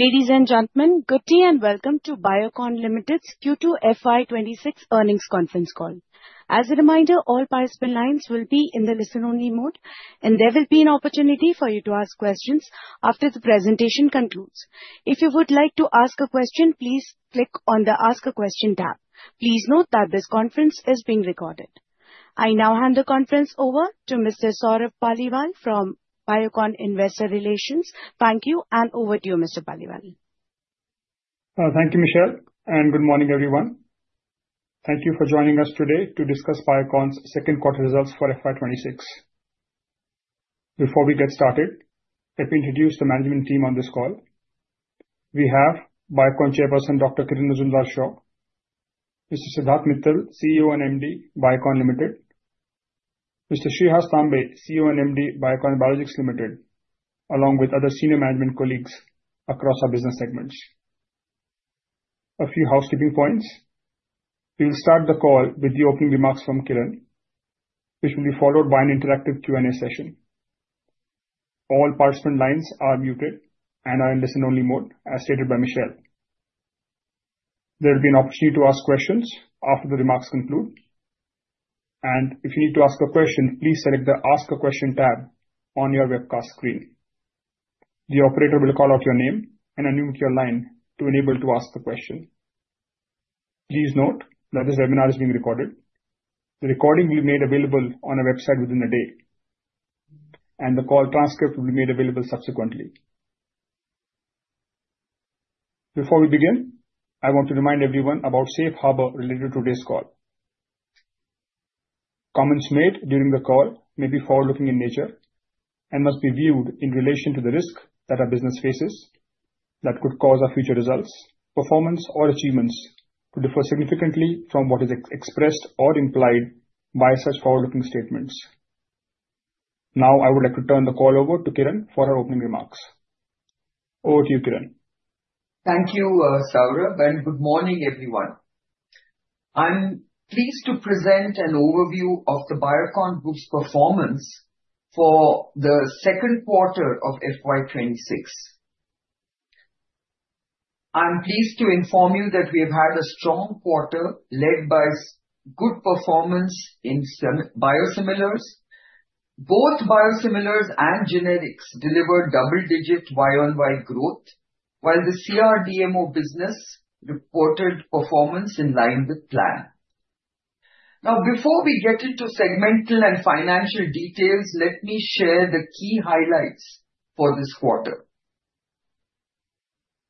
Ladies and gentlemen, good day and welcome to Biocon Limited's Q2 FY26 Earnings Conference Call. As a reminder, all participant lines will be in the listen-only mode, and there will be an opportunity for you to ask questions after the presentation concludes. If you would like to ask a question, please click on the Ask a Question tab. Please note that this conference is being recorded. I now hand the conference over to Mr. Saurabh Paliwal from Biocon Investor Relations. Thank you, and over to you, Mr. Paliwal. Thank you, Michelle, and good morning, everyone. Thank you for joining us today to discuss Biocon's Second-Quarter Results for FY26. Before we get started, let me introduce the management team on this call. We have Biocon Chairperson, Dr. Kiran Mazumdar-Shaw; Mr. Siddharth Mittal, CEO and MD, Biocon Limited; Mr. Shreehas Tambe, CEO and MD, Biocon Biologics Limited, along with other senior management colleagues across our business segments. A few housekeeping points: we will start the call with the opening remarks from Kiran, which will be followed by an interactive Q&A session. All participant lines are muted and are in listen-only mode, as stated by Michelle. There will be an opportunity to ask questions after the remarks conclude, and if you need to ask a question, please select the Ask a Question tab on your webcast screen. The operator will call out your name and unmute your line to enable you to ask a question. Please note that this webinar is being recorded. The recording will be made available on our website within the day, and the call transcript will be made available subsequently. Before we begin, I want to remind everyone about safe harbor related to today's call. Comments made during the call may be forward-looking in nature and must be viewed in relation to the risk that our business faces that could cause our future results, performance, or achievements to differ significantly from what is expressed or implied by such forward-looking statements. Now, I would like to turn the call over to Kiran for her opening remarks. Over to you, Kiran. Thank you, Saurabh, and good morning, everyone. I'm pleased to present an overview of the Biocon Group's performance for the second quarter of FY26. I'm pleased to inform you that we have had a strong quarter led by good performance in biosimilars. Both biosimilars and generics delivered double-digit Y-on-Y growth, while the CRDMO business reported performance in line with plan. Now, before we get into segmental and financial details, let me share the key highlights for this quarter.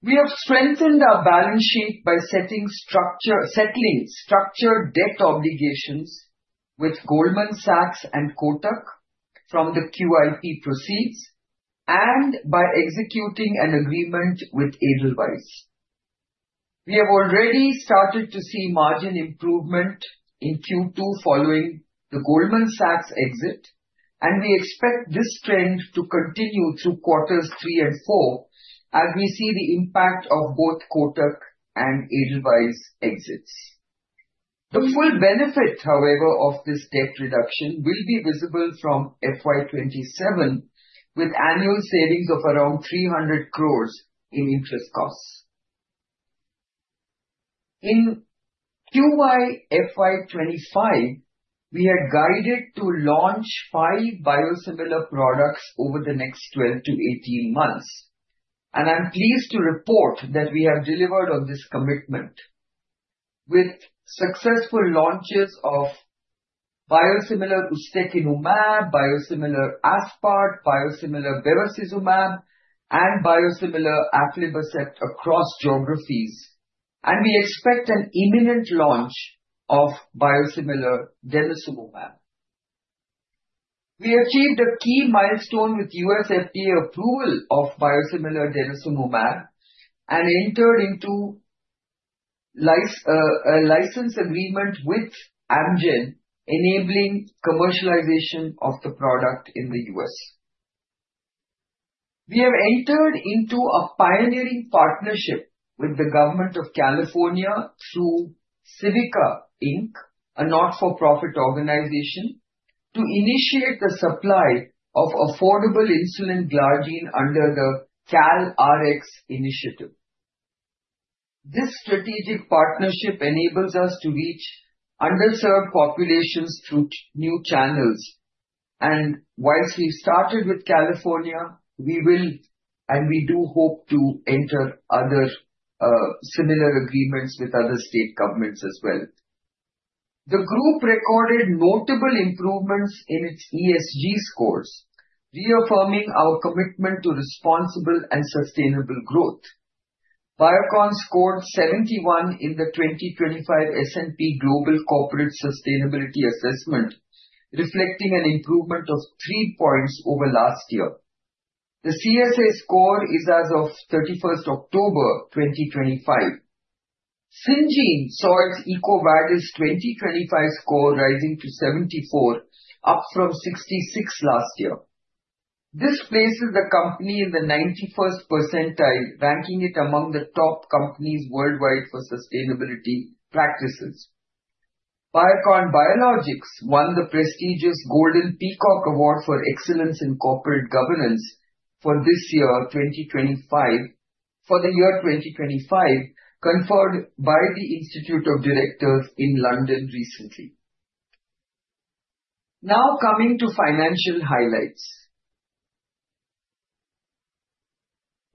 We have strengthened our balance sheet by settling structured debt obligations with Goldman Sachs and Kotak from the QIP proceeds and by executing an agreement with Edelweiss. We have already started to see margin improvement in Q2 following the Goldman Sachs exit, and we expect this trend to continue through quarters three and four as we see the impact of both Kotak and Edelweiss exits. The full benefit, however, of this debt reduction will be visible from FY27, with annual savings of around 300 crores in interest costs. In Q4 FY25, we are guided to launch five biosimilar products over the next 12-18 months, and I'm pleased to report that we have delivered on this commitment with successful launches of Biosimilar Ustekinumab, Biosimilar aspart, Biosimilar Bevacizumab, and Biosimilar Aflibercept across geographies, and we expect an imminent launch of Biosimilar Denosumab. We achieved a key milestone with U.S. FDA approval of Biosimilar Denosumab and entered into a license agreement with Amgen, enabling commercialization of the product in the US. We have entered into a pioneering partnership with the Government of California through Civica Inc., a not-for-profit organization, to initiate the supply of affordable insulin glargine under the CalRx initiative. This strategic partnership enables us to reach underserved populations through new channels, and while we've started with California, we will and we do hope to enter other similar agreements with other state governments as well. The group recorded notable improvements in its ESG scores, reaffirming our commitment to responsible and sustainable growth. Biocon scored 71 in the 2025 S&P Global Corporate Sustainability Assessment, reflecting an improvement of three points over last year. The CSA score is as of 31 October 2025. Syngene saw its EcoVadis 2025 score rising to 74, up from 66 last year. This places the company in the 91st percentile, ranking it among the top companies worldwide for sustainability practices. Biocon Biologics won the prestigious Golden Peacock Award for Excellence in Corporate Governance for this year, 2025, for the year 2025, conferred by the Institute of Directors in London recently. Now coming to financial highlights.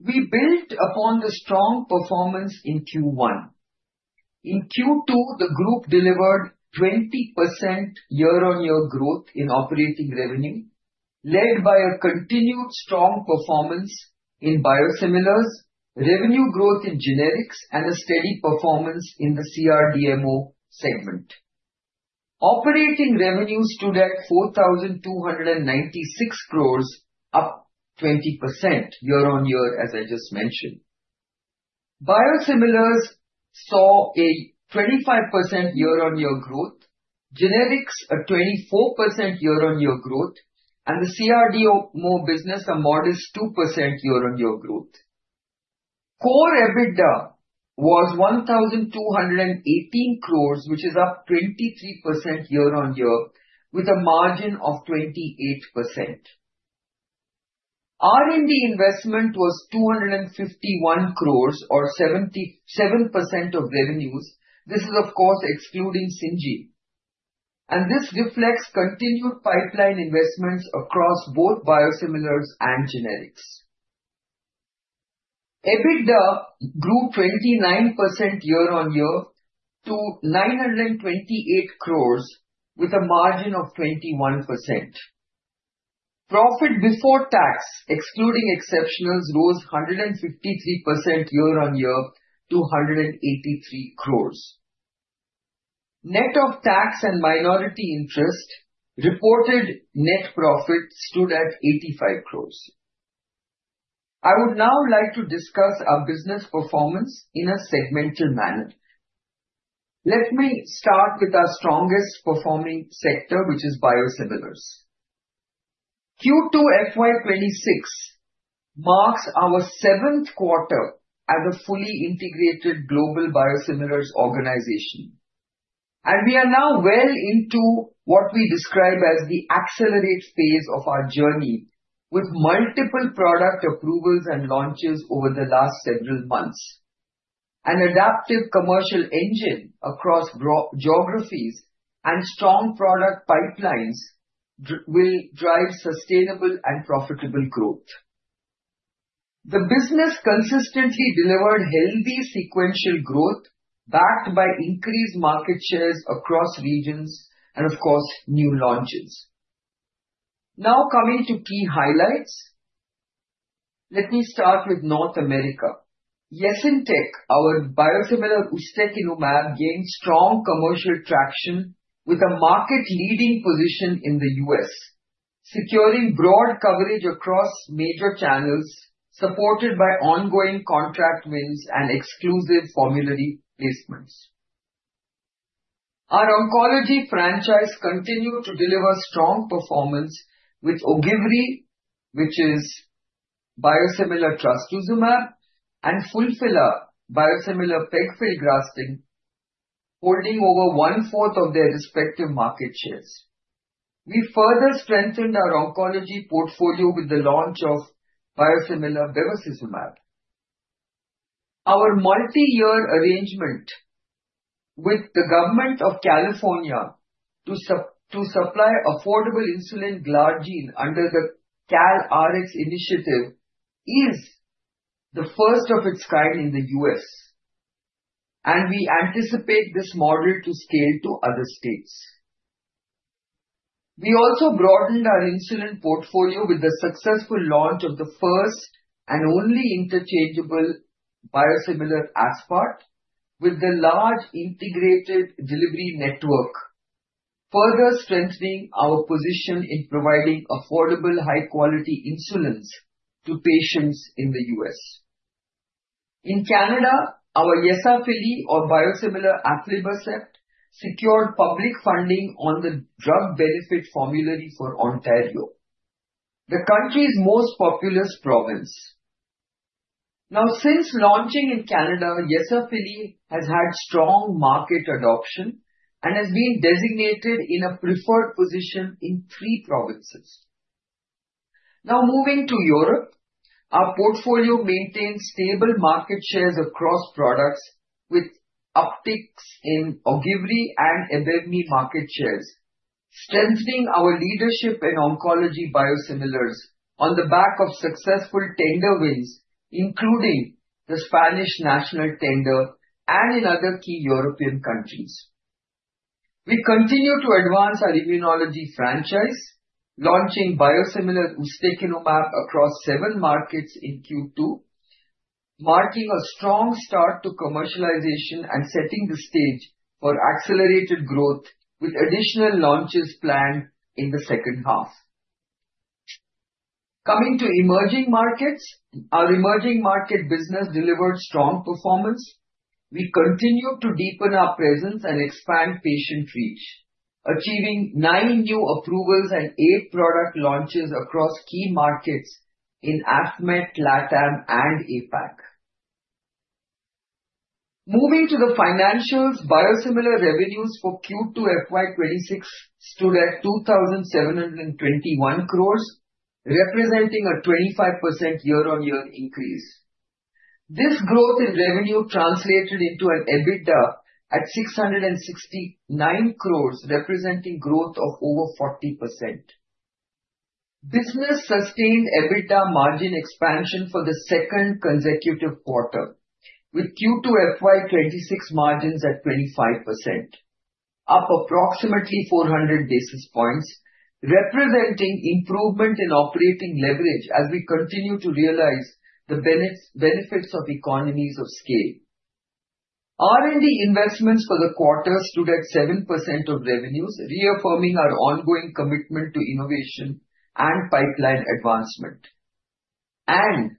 We built upon the strong performance in Q1. In Q2, the group delivered 20% year-on-year growth in operating revenue, led by a continued strong performance in biosimilars, revenue growth in generics, and a steady performance in the CRDMO segment. Operating revenues stood at 4,296 crores, up 20% year-on-year, as I just mentioned. Biosimilars saw a 25% year-on-year growth, generics a 24% year-on-year growth, and the CRDMO business a modest 2% year-on-year growth. Core EBITDA was 1,218 crores, which is up 23% year-on-year, with a margin of 28%. R&D investment was 251 crores, or 77% of revenues. This is, of course, excluding Syngene, and this reflects continued pipeline investments across both biosimilars and generics. EBITDA grew 29% year-on-year to 928 crores, with a margin of 21%. Profit before tax, excluding exceptionals, rose 153% year-on-year to 183 crores. Net of tax and minority interest, reported net profit stood at 85 crores. I would now like to discuss our business performance in a segmental manner. Let me start with our strongest performing sector, which is biosimilars. Q2 FY26 marks our seventh quarter as a fully integrated global biosimilars organization, and we are now well into what we describe as the accelerate phase of our journey with multiple product approvals and launches over the last several months. An adaptive commercial engine across geographies and strong product pipelines will drive sustainable and profitable growth. The business consistently delivered healthy sequential growth backed by increased market shares across regions and, of course, new launches. Now coming to key highlights, let me start with North America. Yesintek, our biosimilar Ustekinumab, gained strong commercial traction with a market-leading position in the U.S., securing broad coverage across major channels supported by ongoing contract wins and exclusive formulary placements. Our oncology franchise continued to deliver strong performance with Ogivri, which is biosimilar Trastuzumab, and Fulphila, biosimilar Pegfilgrastim, holding over one-fourth of their respective market shares. We further strengthened our oncology portfolio with the launch of biosimilar Bevacizumab. Our multi-year arrangement with the Government of California to supply affordable insulin glargine under the CalRx initiative is the first of its kind in the U.S., and we anticipate this model to scale to other states. We also broadened our insulin portfolio with the successful launch of the first and only interchangeable biosimilar aspart with the large integrated delivery network, further strengthening our position in providing affordable, high-quality insulins to patients in the U.S. In Canada, our Yesafili, or biosimilar Aflibercept, secured public funding on the drug benefit formulary for Ontario, the country's most populous province. Now, since launching in Canada, Yesafili has had strong market adoption and has been designated in a preferred position in three provinces. Now moving to Europe, our portfolio maintains stable market shares across products with upticks in Ogivri and Abevmy market shares, strengthening our leadership in oncology biosimilars on the back of successful tender wins, including the Spanish national tender and in other key European countries. We continue to advance our immunology franchise, launching biosimilar Ustekinumab across seven markets in Q2, marking a strong start to commercialization and setting the stage for accelerated growth with additional launches planned in the second half. Coming to emerging markets, our emerging market business delivered strong performance. We continue to deepen our presence and expand patient reach, achieving nine new approvals and eight product launches across key markets in AFMET, LATAM, and APAC. Moving to the financials, biosimilar revenues for Q2 FY26 stood at 2,721 crores, representing a 25% year-on-year increase. This growth in revenue translated into an EBITDA at 669 crores, representing growth of over 40%. Business sustained EBITDA margin expansion for the second consecutive quarter, with Q2 FY26 margins at 25%, up approximately 400 basis points, representing improvement in operating leverage as we continue to realize the benefits of economies of scale. R&D investments for the quarter stood at 7% of revenues, reaffirming our ongoing commitment to innovation and pipeline advancement. And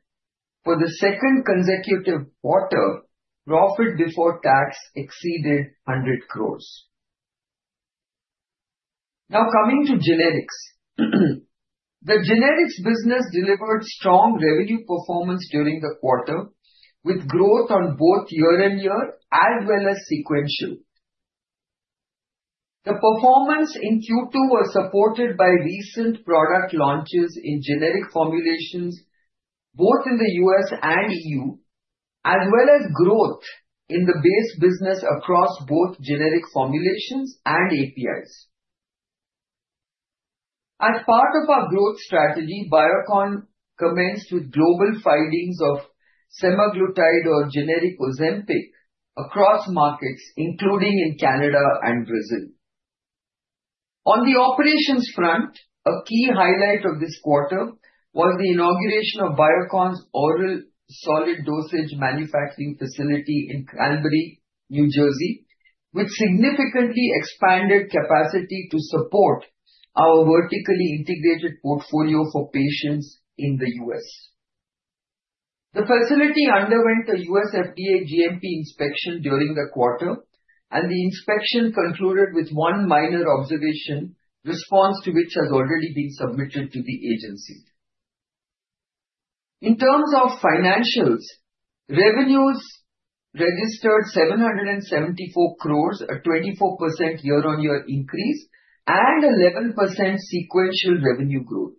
for the second consecutive quarter, profit before tax exceeded 100 crores. Now coming to generics, the generics business delivered strong revenue performance during the quarter, with growth on both year-on-year as well as sequential. The performance in Q2 was supported by recent product launches in generic formulations, both in the U.S. and EU, as well as growth in the base business across both generic formulations and APIs. As part of our growth strategy, Biocon commenced with global filings of Semaglutide, or generic Ozempic, across markets, including in Canada and Brazil. On the operations front, a key highlight of this quarter was the inauguration of Biocon's oral solid dosage manufacturing facility in Cranbury, New Jersey, which significantly expanded capacity to support our vertically integrated portfolio for patients in the U.S. The facility underwent a U.S. FDA GMP inspection during the quarter, and the inspection concluded with one minor observation, response to which has already been submitted to the agency. In terms of financials, revenues registered 774 crores, a 24% year-on-year increase, and 11% sequential revenue growth.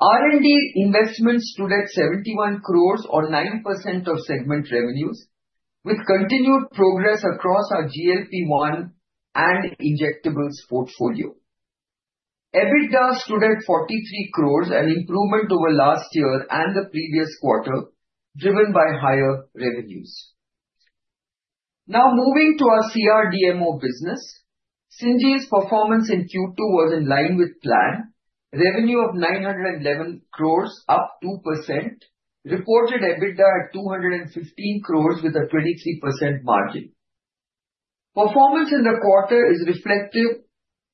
R&D investments stood at 71 crores, or 9% of segment revenues, with continued progress across our GLP-1 and injectables portfolio. EBITDA stood at 43 crores, an improvement over last year and the previous quarter, driven by higher revenues. Now moving to our CRDMO business, Syngene's performance in Q2 was in line with plan, revenue of 911 crores, up 2%, reported EBITDA at 215 crores, with a 23% margin. Performance in the quarter is reflective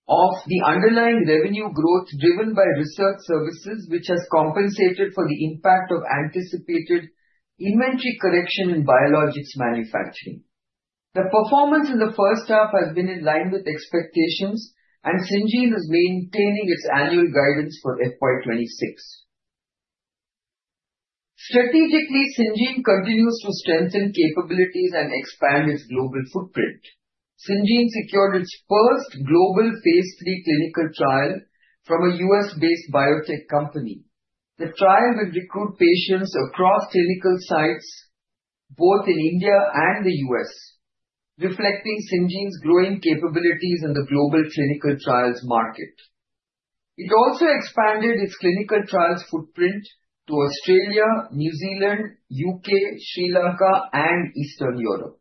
of the underlying revenue growth driven by research services, which has compensated for the impact of anticipated inventory correction in biologics manufacturing. The performance in the first half has been in line with expectations, and Syngene is maintaining its annual guidance for FY26. Strategically, Syngene continues to strengthen capabilities and expand its global footprint. Syngene secured its first global phase III clinical trial from a U.S.-based biotech company. The trial will recruit patients across clinical sites, both in India and the U.S., reflecting Syngene's growing capabilities in the global clinical trials market. It also expanded its clinical trials footprint to Australia, New Zealand, U.K., Sri Lanka, and Eastern Europe,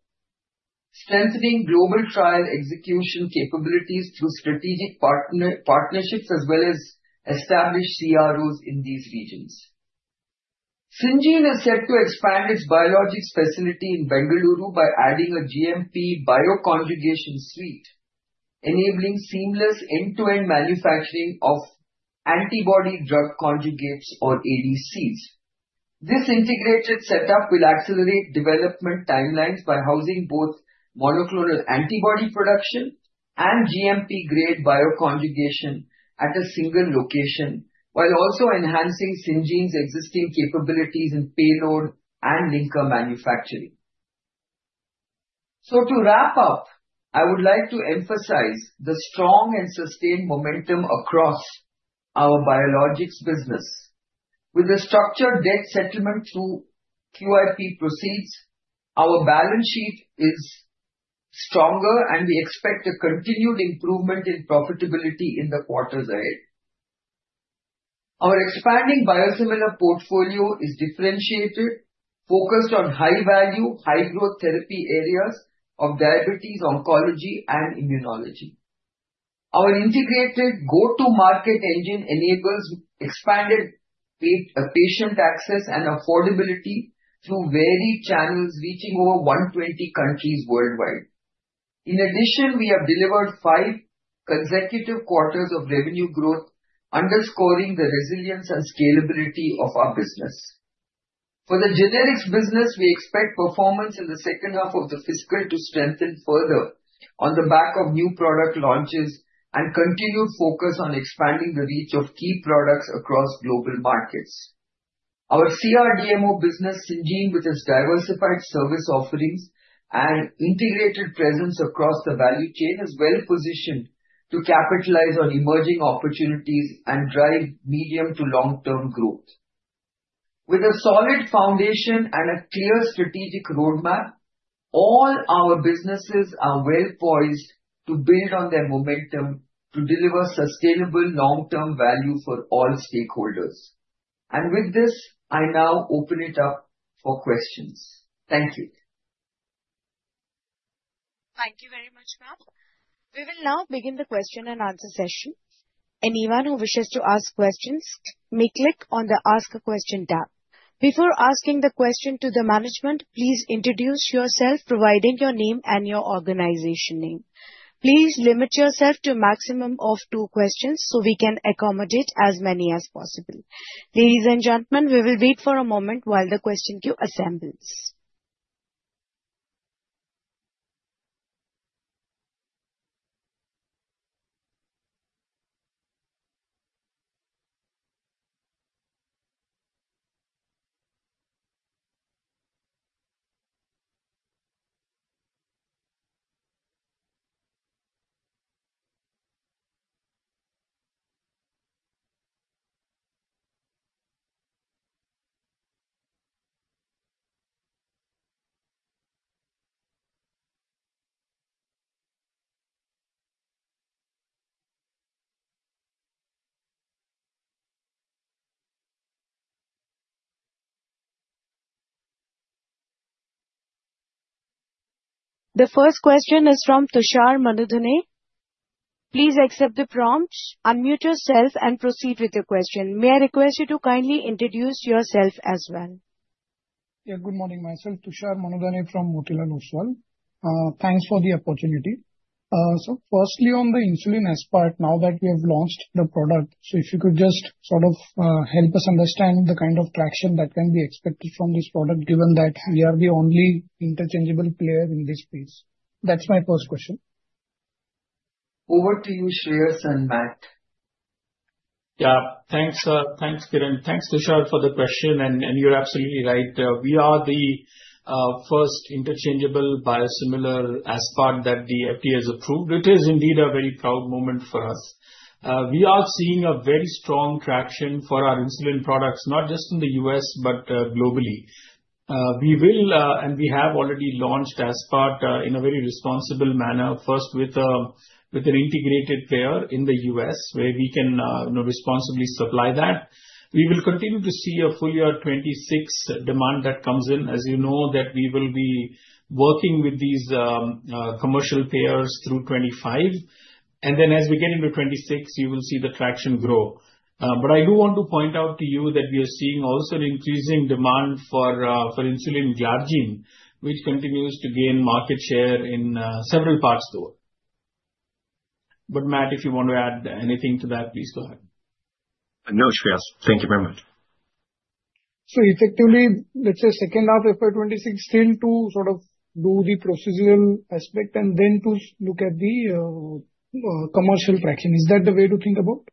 strengthening global trial execution capabilities through strategic partnerships as well as established CROs in these regions. Syngene is set to expand its biologics facility in Bengaluru by adding a GMP bioconjugation suite, enabling seamless end-to-end manufacturing of antibody drug conjugates, or ADCs. This integrated setup will accelerate development timelines by housing both monoclonal antibody production and GMP-grade bioconjugation at a single location, while also enhancing Syngene's existing capabilities in payload and linker manufacturing. So to wrap up, I would like to emphasize the strong and sustained momentum across our biologics business. With the structured debt settlement through QIP proceeds, our balance sheet is stronger, and we expect a continued improvement in profitability in the quarters ahead. Our expanding biosimilar portfolio is differentiated, focused on high-value, high-growth therapy areas of diabetes, oncology, and immunology. Our integrated go-to-market engine enables expanded patient access and affordability through varied channels reaching over 120 countries worldwide. In addition, we have delivered five consecutive quarters of revenue growth, underscoring the resilience and scalability of our business. For the generics business, we expect performance in the second half of the fiscal to strengthen further on the back of new product launches and continued focus on expanding the reach of key products across global markets. Our CRDMO business, Syngene, with its diversified service offerings and integrated presence across the value chain, is well positioned to capitalize on emerging opportunities and drive medium to long-term growth. With a solid foundation and a clear strategic roadmap, all our businesses are well poised to build on their momentum to deliver sustainable long-term value for all stakeholders. And with this, I now open it up for questions. Thank you. Thank you very much, ma'am. We will now begin the question and answer session. Anyone who wishes to ask questions may click on the Ask a Question tab. Before asking the question to the management, please introduce yourself, providing your name and your organization name. Please limit yourself to a maximum of two questions so we can accommodate as many as possible. Ladies and gentlemen, we will wait for a moment while the question queue assembles. The first question is from Tushar Manudhane. Please accept the prompt, unmute yourself, and proceed with your question. May I request you to kindly introduce yourself as well? Yeah, good morning. Myself, Tushar Manudhane from Motilal Oswal. Thanks for the opportunity. Firstly, on the insulin aspart, now that we have launched the product, if you could just sort of help us understand the kind of traction that can be expected from this product, given that we are the only interchangeable player in this space. That's my first question. Over to you, Shreehas and Matt. Yeah, thanks, Kiran. Thanks, Tushar, for the question. And you're absolutely right. We are the first interchangeable biosimilar as far that the FDA has approved. It is indeed a very proud moment for us. We are seeing a very strong traction for our insulin products, not just in the U.S., but globally. We will, and we have already launched aspart in a very responsible manner, first with an integrated player in the U.S., where we can responsibly supply that. We will continue to see a full year 26 demand that comes in. As you know, we will be working with these commercial players through 25. And then as we get into 26, you will see the traction grow. But I do want to point out to you that we are seeing also an increasing demand for Insulin Glargine, which continues to gain market share in several parts of the world. But Matt, if you want to add anything to that, please go ahead. No, Shreehas, thank you very much. So effectively, let's say second half of FY26, still to sort of do the procedural aspect and then to look at the commercial traction. Is that the way to think about?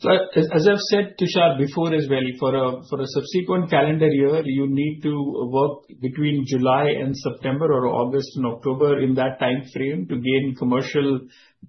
As I've said, Tushar, before as well, for a subsequent calendar year, you need to work between July and September or August and October in that time frame to gain commercial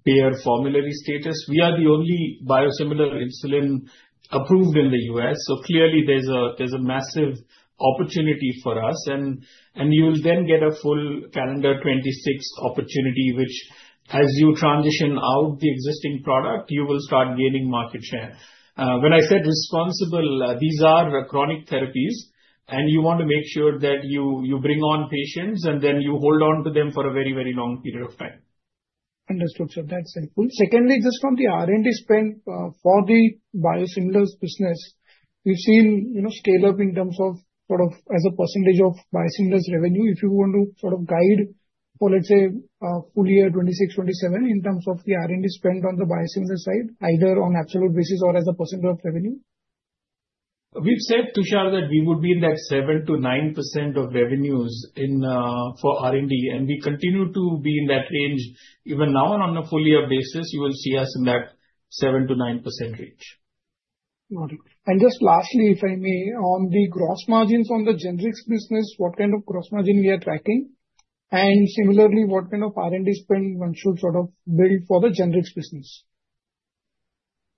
payer formulary status. We are the only biosimilar insulin approved in the U.S. So clearly, there's a massive opportunity for us. And you will then get a full calendar 2026 opportunity, which, as you transition out the existing product, you will start gaining market share. When I said responsible, these are chronic therapies, and you want to make sure that you bring on patients and then you hold on to them for a very, very long period of time. Understood. So that's helpful. Secondly, just from the R&D spend for the biosimilars business, we've seen scale-up in terms of sort of as a percentage of biosimilars revenue. If you want to sort of guide for, let's say, full year 26, 27 in terms of the R&D spend on the biosimilar side, either on absolute basis or as a percent of revenue? We've said, Tushar, that we would be in that 7%-9% of revenues for R&D. And we continue to be in that range even now, and on a full year basis, you will see us in that 7%-9% range. Got it. And just lastly, if I may, on the gross margins on the generics business, what kind of gross margin we are tracking? And similarly, what kind of R&D spend one should sort of build for the generics business?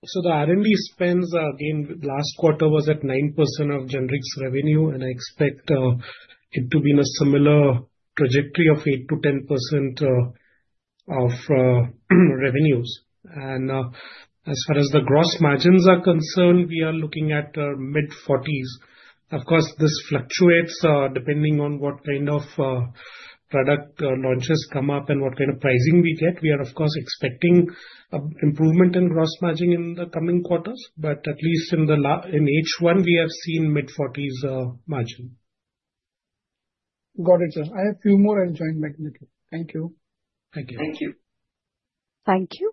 So the R&D spends, again, last quarter was at 9% of generics revenue, and I expect it to be in a similar trajectory of 8%-10% of revenues. As far as the gross margins are concerned, we are looking at mid-40s%. Of course, this fluctuates depending on what kind of product launches come up and what kind of pricing we get. We are, of course, expecting improvement in gross margin in the coming quarters, but at least in H1, we have seen mid-40s% margin. Got it, sir. I have a few more I'll join back later. Thank you. Thank you Thank you. Thank you.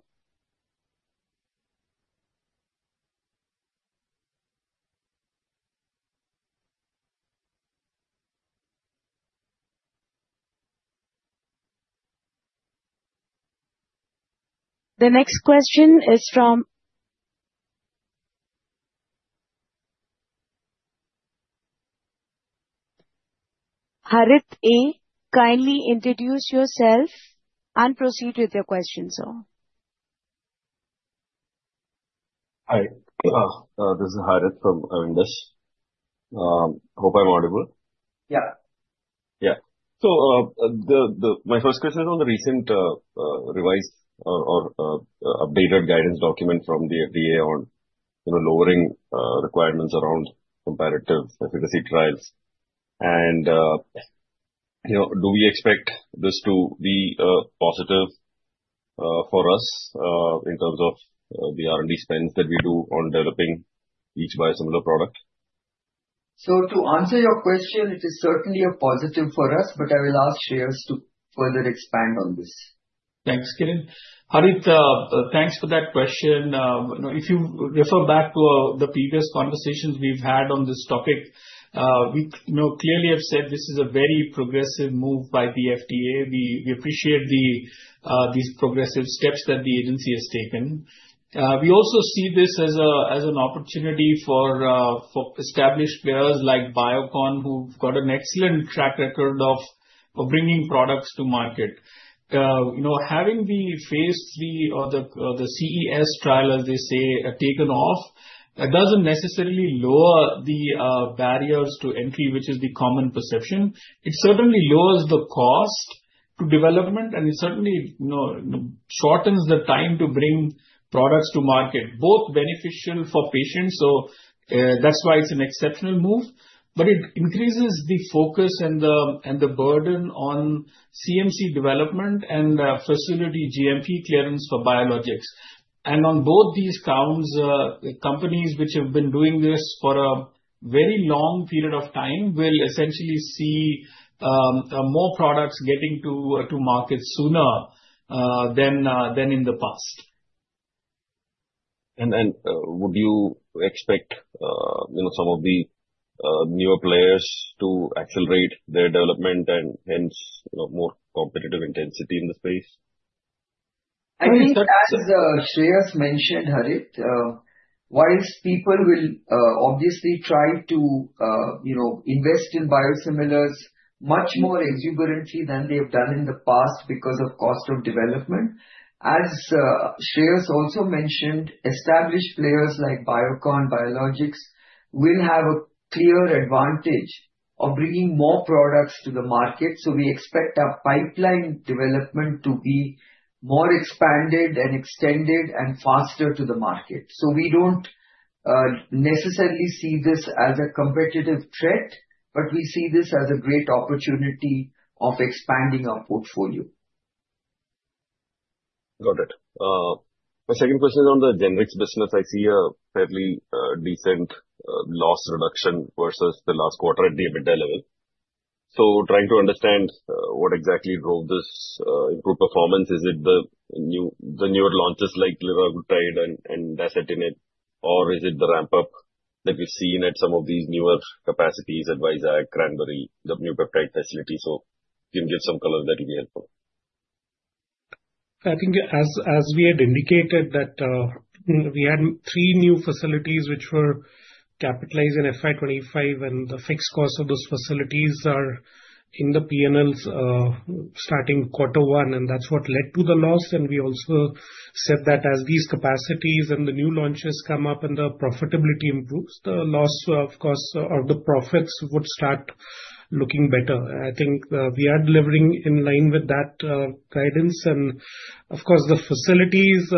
The next question is from Harith A. Kindly introduce yourself and proceed with your question, sir. Hi. This is Harith from Avendus. Hope I'm audible. Yeah. Yeah. So my first question is on the recent revised or updated guidance document from the FDA on lowering requirements around comparative efficacy trials. Do we expect this to be positive for us in terms of the R&D spends that we do on developing each biosimilar product? To answer your question, it is certainly a positive for us, but I will ask Shreehas to further expand on this. Thanks, Kiran. Harith, thanks for that question. If you refer back to the previous conversations we've had on this topic, we clearly have said this is a very progressive move by the FDA. We appreciate these progressive steps that the agency has taken. We also see this as an opportunity for established players like Biocon, who've got an excellent track record of bringing products to market. Having the phase III or the CES trial, as they say, taken off, it doesn't necessarily lower the barriers to entry, which is the common perception. It certainly lowers the cost to development, and it certainly shortens the time to bring products to market, both beneficial for patients. So that's why it's an exceptional move. But it increases the focus and the burden on CMC development and facility GMP clearance for biologics. And on both these counts, companies which have been doing this for a very long period of time will essentially see more products getting to market sooner than in the past. And would you expect some of the newer players to accelerate their development and hence more competitive intensity in the space? I think that, as Shreehas mentioned, Harith, while people will obviously try to invest in biosimilars much more exuberantly than they've done in the past because of cost of development, as Shreehas also mentioned, established players like Biocon, Biocon Biologics will have a clear advantage of bringing more products to the market. So we expect our pipeline development to be more expanded and extended and faster to the market. So we don't necessarily see this as a competitive threat, but we see this as a great opportunity of expanding our portfolio. Got it. My second question is on the generics business. I see a fairly decent loss reduction versus the last quarter at the middle level. So trying to understand what exactly drove this improved performance. Is it the newer launches like Liraglutide and Dasatinib, or is it the ramp-up that we've seen at some of these newer capacities, Visakhapatnam, Cranbury, the new peptide facility? So you can give some color that will be helpful. I think, as we had indicated, that we had three new facilities which were capitalized in FY25, and the fixed costs of those facilities are in the P&Ls starting quarter one, and that's what led to the loss. And we also said that as these capacities and the new launches come up and the profitability improves, the loss, of course, of the profits would start looking better. I think we are delivering in line with that guidance. And of course, the facilities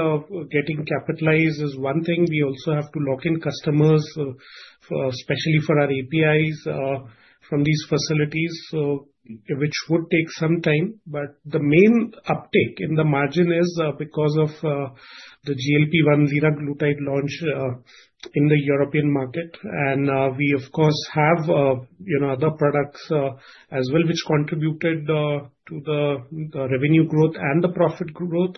getting capitalized is one thing. We also have to lock in customers, especially for our APIs from these facilities, which would take some time. But the main uptake in the margin is because of the GLP-1 Liraglutide launch in the European market. And we, of course, have other products as well, which contributed to the revenue growth and the profit growth.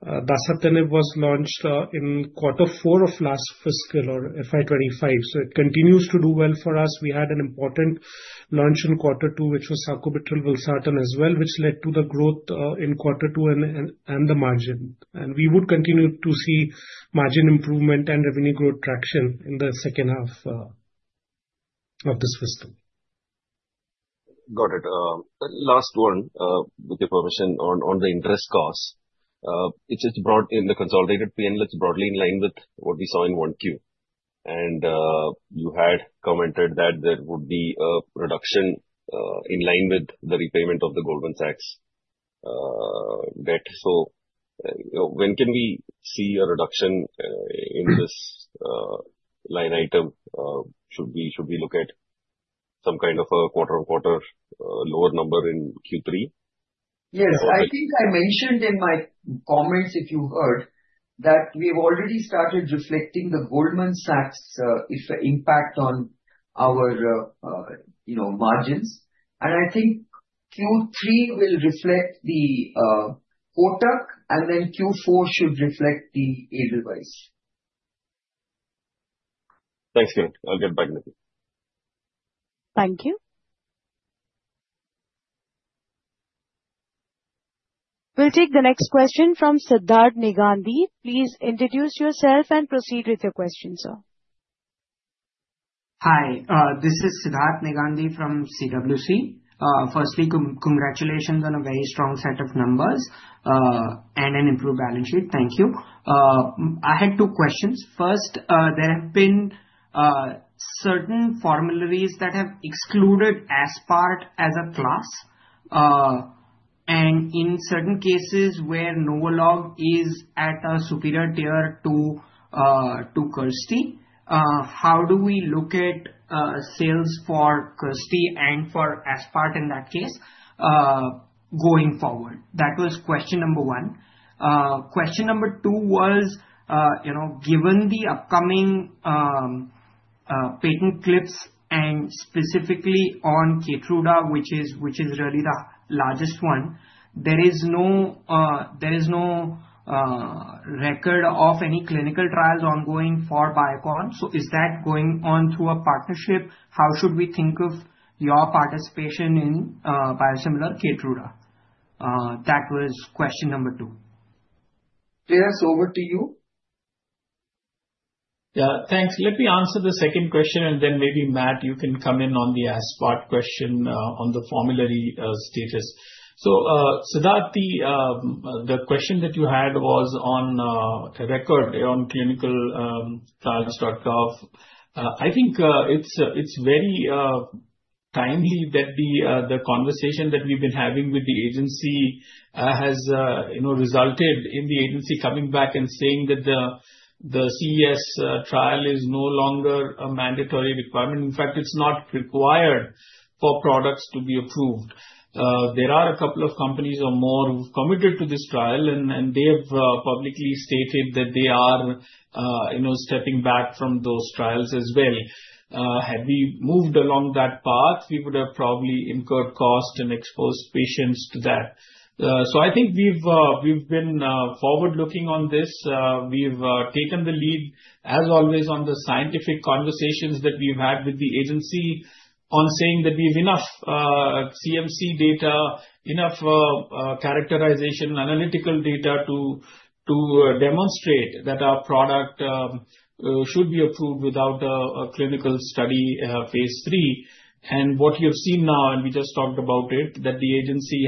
Dasatinib was launched in quarter four of last fiscal or FY25. So it continues to do well for us. We had an important launch in quarter two, which was Sacubitril/Valsartan as well, which led to the growth in quarter two and the margin. And we would continue to see margin improvement and revenue growth traction in the second half of this fiscal. Got it. Last one, with your permission, on the interest cost. It's brought in the consolidated P&L, it's broadly in line with what we saw in Q1. And you had commented that there would be a reduction in line with the repayment of the Goldman Sachs debt. So when can we see a reduction in this line item? Should we look at some kind of a quarter-on-quarter lower number in Q3? Yes. I think I mentioned in my comments, if you heard, that we've already started reflecting the Goldman Sachs impact on our margins. And I think Q3 will reflect the quarter, and then Q4 should reflect the Edelweiss. Thanks, Kiran. I'll get back to queue. Thank you. We'll take the next question from Siddharth Negandhi. Please introduce yourself and proceed with your question, sir. Hi. This is Siddharth Negandhi from CWC. Firstly, congratulations on a very strong set of numbers and an improved balance sheet. Thank you. I had two questions. First, there have been certain formularies that have excluded aspart as a class. And in certain cases where NovoLog is at a superior tier to Kirsty, how do we look at sales for Kirsty and for aspart in that case going forward? That was question number one. Question number two was, given the upcoming patent cliffs and specifically on Keytruda, which is really the largest one, there is no record of any clinical trials ongoing for Biocon. So is that going on through a partnership? How should we think of your participation in biosimilar Keytruda? That was question number two. Shreehas, over to you. Yeah. Thanks. Let me answer the second question, and then maybe Matt, you can come in on the aspart question on the formulary status. So Siddharth, the question that you had was no record on clinicaltrials.gov. I think it's very timely that the conversation that we've been having with the agency has resulted in the agency coming back and saying that the CES trial is no longer a mandatory requirement. In fact, it's not required for products to be approved. There are a couple of companies or more who've committed to this trial, and they have publicly stated that they are stepping back from those trials as well. Had we moved along that path, we would have probably incurred cost and exposed patients to that. So I think we've been forward-looking on this. We've taken the lead, as always, on the scientific conversations that we've had with the agency on saying that we have enough CMC data, enough characterization, analytical data to demonstrate that our product should be approved without a clinical study phase III, and what you've seen now, and we just talked about it, that the agency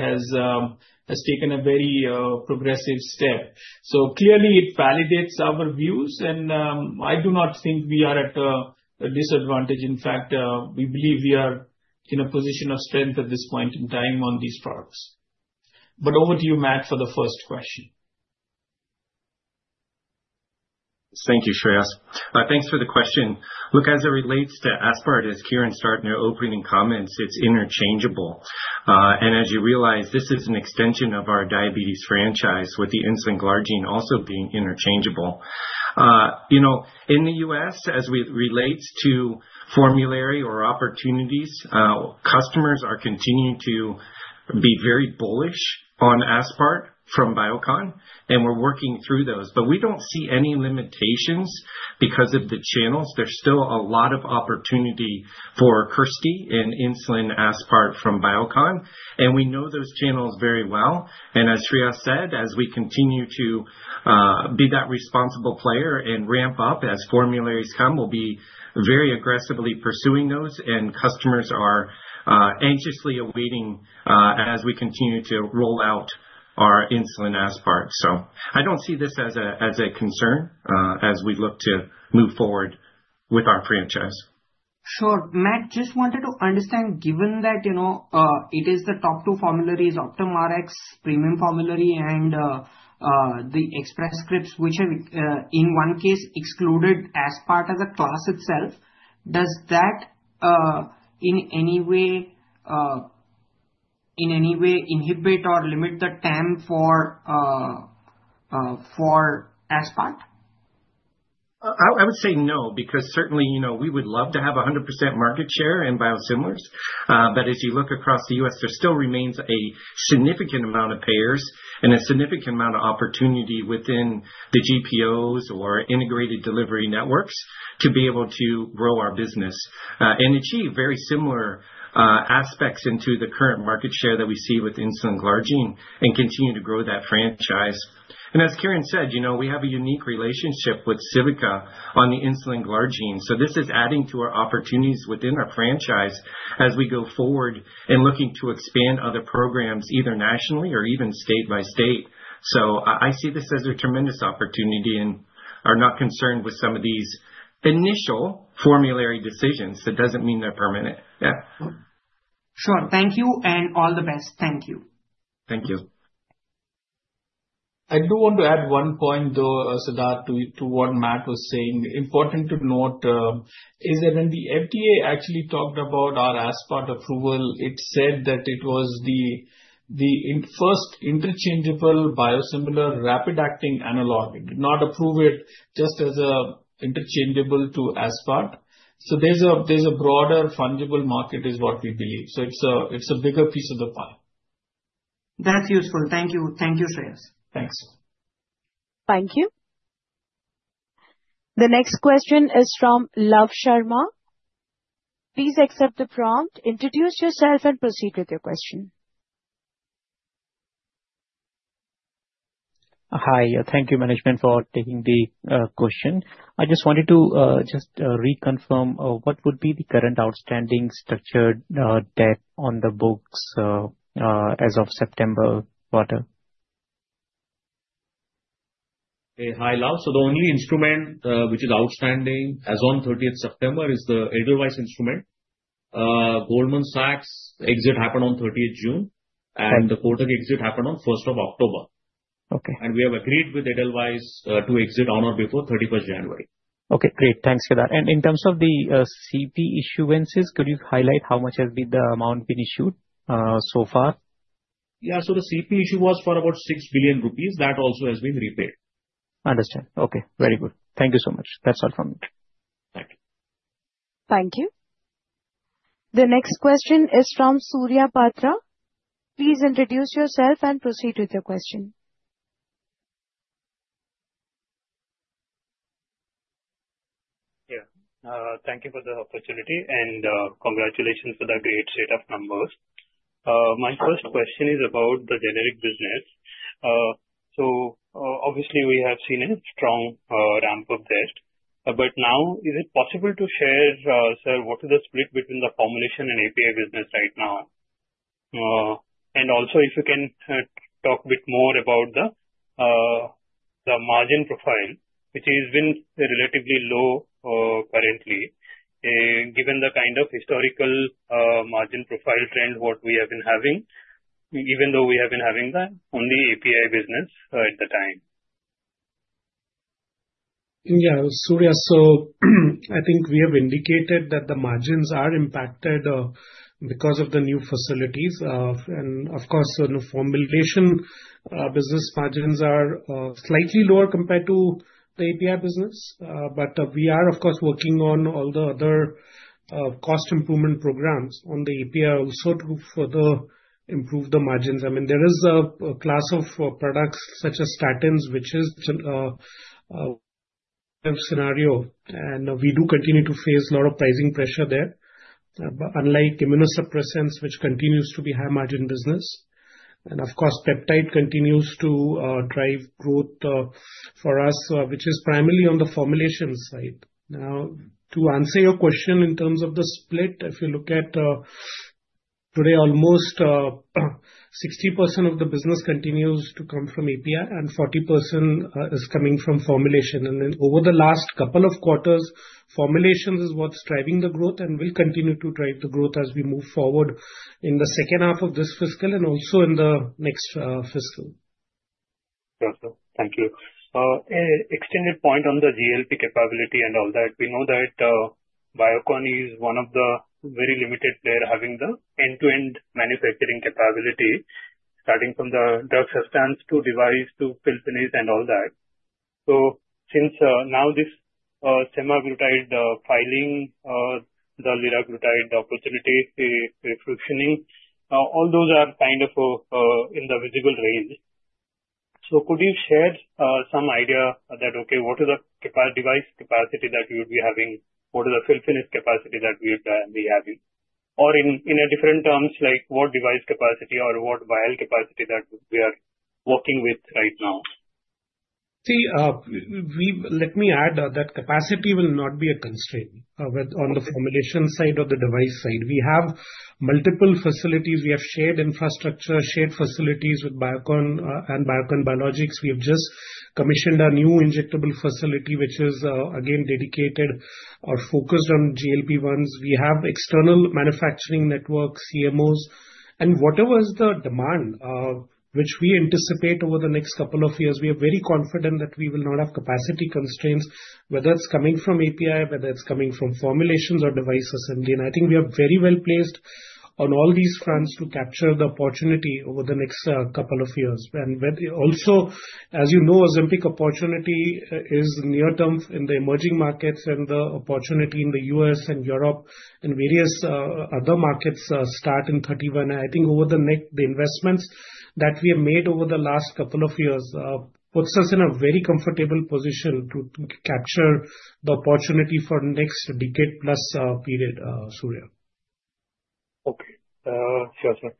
has taken a very progressive step, so clearly, it validates our views, and I do not think we are at a disadvantage. In fact, we believe we are in a position of strength at this point in time on these products. But over to you, Matt, for the first question. Thank you, Shreehas. Thanks for the question. Look, as it relates to aspart, as Kiran started in her opening comments, it's interchangeable. And as you realize, this is an extension of our diabetes franchise, with the Insulin Glargine also being interchangeable. In the U.S., as it relates to formulary or opportunities, customers are continuing to be very bullish on aspart from Biocon. And we're working through those. But we don't see any limitations because of the channels. There's still a lot of opportunity for Kirsty and insulin aspart from Biocon. And we know those channels very well. And as Shreehas said, as we continue to be that responsible player and ramp up as formularies come, we'll be very aggressively pursuing those. And customers are anxiously awaiting as we continue to roll out our insulin aspart. So I don't see this as a concern as we look to move forward with our franchise. Sure. Matt, just wanted to understand, given that it is the top two formularies, Optum Rx preferred formulary, and the Express Scripts, which have, in one case, excluded aspart as a class itself, does that in any way inhibit or limit the TAM for aspart? I would say no because certainly, we would love to have 100% market share in biosimilars. But as you look across the U.S., there still remains a significant amount of payers and a significant amount of opportunity within the GPOs or integrated delivery networks to be able to grow our business and achieve very similar aspects into the current market share that we see with Insulin Glargine and continue to grow that franchise. And as Kiran said, we have a unique relationship with Civica on the Insulin Glargine. So this is adding to our opportunities within our franchise as we go forward and looking to expand other programs either nationally or even state by state. So I see this as a tremendous opportunity and are not concerned with some of these initial formulary decisions. That doesn't mean they're permanent. Yeah. Sure. Thank you. And all the best. Thank you. Thank you. I do want to add one point, though, Siddharth, to what Matt was saying. Important to note is that when the FDA actually talked about our aspart approval, it said that it was the first interchangeable biosimilar rapid-acting analog. It did not approve it just as an interchangeable to aspart. So there's a broader fungible market is what we believe. So it's a bigger piece of the pie. That's useful. Thank you. Thank you, Shreehas. Thanks. Thank you. The next question is from Love Sharma. Please accept the prompt, introduce yourself and proceed with your question. Hi. Thank you, Management, for taking the question. I just wanted to just reconfirm what would be the current outstanding structured debt on the books as of September quarter. Okay. Hi, Love. So the only instrument which is outstanding as of 30th September is the Edelweiss instrument. Goldman Sachs exit happened on 30th June, and the quarter exit happened on 1st of October. And we have agreed with Edelweiss to exit on or before 31st January. Okay. Great. Thanks for that. And in terms of the CP issuances, could you highlight how much has the amount been issued so far? Yeah. So the CP issue was for about 6 billion rupees. That also has been repaid. Understood. Okay. Very good. Thank you so much. That's all from me. Thank you. Thank you. The next question is from Surya Patra. Please introduce yourself and proceed with your question. Yeah. Thank you for the opportunity and congratulations for the great set of numbers. My first question is about the generic business. So obviously, we have seen a strong ramp-up there. But now, is it possible to share, sir, what is the split between the formulation and API business right now? And also, if you can talk a bit more about the margin profile, which has been relatively low currently, given the kind of historical margin profile trend what we have been having, even though we have been having that only API business at the time. Yeah. Surya, so I think we have indicated that the margins are impacted because of the new facilities. And of course, formulation business margins are slightly lower compared to the API business. But we are, of course, working on all the other cost improvement programs on the API also to further improve the margins. I mean, there is a class of products such as statins, which is a scenario. And we do continue to face a lot of pricing pressure there, unlike immunosuppressants, which continues to be high-margin business. And of course, Peptide continues to drive growth for us, which is primarily on the formulation side. Now, to answer your question in terms of the split, if you look at today, almost 60% of the business continues to come from API, and 40% is coming from formulation. And then over the last couple of quarters, formulation is what's driving the growth and will continue to drive the growth as we move forward in the second half of this fiscal and also in the next fiscal. Gotcha. Thank you. Extended point on the GLP capability and all that. We know that Biocon is one of the very limited players having the end-to-end manufacturing capability, starting from the drug substance to device to filling and all that. So since now this semaglutide filing, the Liraglutide opportunity repositioning, all those are kind of in the visible range. So could you share some idea that, okay, what is the device capacity that we would be having? What is the filling capacity that we would be having? Or in different terms, like what device capacity or what vial capacity that we are working with right now? See, let me add that capacity will not be a constraint on the formulation side or the device side. We have multiple facilities. We have shared infrastructure, shared facilities with Biocon and Biocon Biologics. We have just commissioned a new injectable facility, which is, again, dedicated or focused on GLP-1s. We have external manufacturing networks, CMOs, and whatever is the demand, which we anticipate over the next couple of years, we are very confident that we will not have capacity constraints, whether it's coming from API, whether it's coming from formulations or device assembly. And I think we are very well placed on all these fronts to capture the opportunity over the next couple of years. And also, as you know, Ozempic opportunity is near-term in the emerging markets and the opportunity in the U.S. and Europe and various other markets start in 2031. And I think over the next, the investments that we have made over the last couple of years puts us in a very comfortable position to capture the opportunity for next decade-plus period, Surya. Okay. Sure, sir.